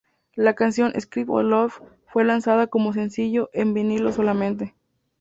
La canción "Scream of Love" fue lanzada como sencillo en vinilo solamente.